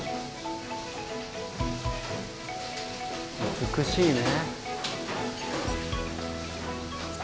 美しいね。